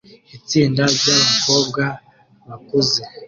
Itsinda ryabakobwa bakuze